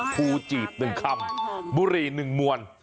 ผู้จีบ๑คำบุรี๑มวล